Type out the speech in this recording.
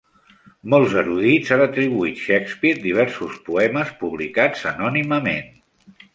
Molts erudits han atribuït Shakespeare diversos poemes publicats anònimament.